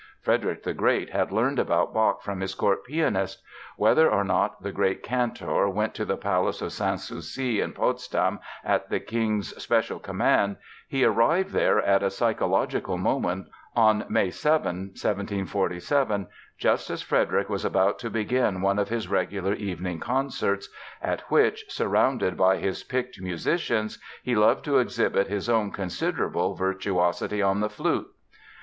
Frederick the Great had learned about Bach from his court pianist. Whether or not the great Cantor went to the palace of Sans Souci in Potsdam at the king's special command, he arrived there at a psychological moment on May 7, 1747, just as Frederick was about to begin one of his regular evening concerts at which, surrounded by his picked musicians, he loved to exhibit his own considerable virtuosity on the flute.